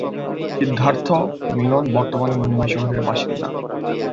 সিদ্ধার্থ মেনন বর্তমানে মুম্বই শহরের বাসিন্দা।